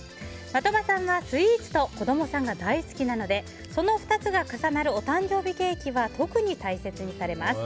的場さんはスイーツと子供さんが大好きなのでその２つが重なるお誕生日ケーキは特に大切にされます。